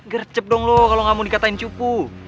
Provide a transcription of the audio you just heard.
gercep dong lo kalo gak mau dikatain cupu